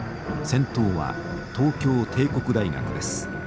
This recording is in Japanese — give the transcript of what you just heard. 先頭は東京帝国大学です。